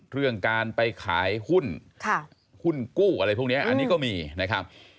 เรื่องการไปขายหุ้นหุ้นกู้อะไรพวกนี้อันนี้ก็มีนะครับ